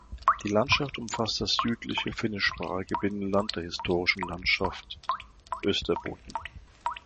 Die Landschaft umfasst das südliche, finnischsprachige Binnenland der historischen Landschaft Österbotten.